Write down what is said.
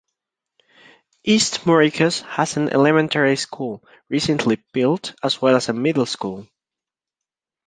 East Moriches has an elementary school, recently built, as well as a middle school.